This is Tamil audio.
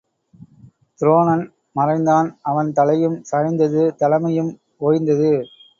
துரோணன் மறைந்தான் அவன் தலையும் சாய்ந்தது தலைமையும் ஒய்ந்தது.